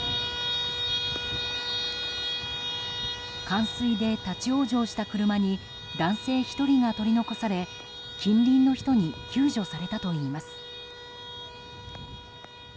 冠水で立ち往生した車に男性１人が取り残され近隣の人に救助されたといいます。